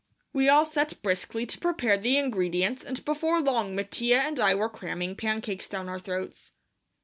We all set briskly to prepare the ingredients and before long Mattia and I were cramming pancakes down our throats.